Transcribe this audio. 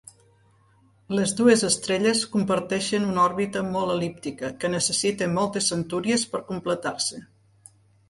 Les dues estrelles comparteixen una òrbita molt el·líptica que necessita moltes centúries per completar-se.